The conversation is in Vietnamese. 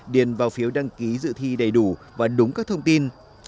điền vào phiếu đăng ký dự thi đầy đủ và đúng các thông tin